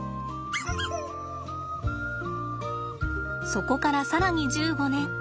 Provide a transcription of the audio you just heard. そこから更に１５年。